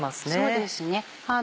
そうですね。